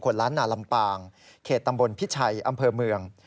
ล้านนาลำปางเขตตำบลพิชัยอำเภอเมือง